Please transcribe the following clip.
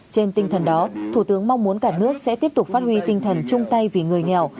trên tinh thần đó thủ tướng mong muốn cả nước sẽ tiếp tục phát huy tinh thần chung tay vì người nghèo